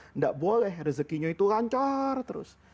tidak boleh rezekinya itu lancar terus